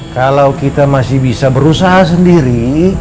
kalau kita masih bisa berusaha sendiri